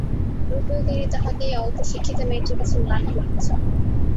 রূপেও তিনি তাহাকে এই অল্পশিক্ষিতা মেয়েটির কাছে ম্লান করিতে চান।